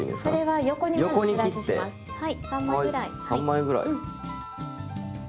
はい。